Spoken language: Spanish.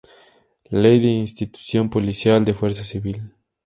Ley de Institución Policial de Fuerza Civil.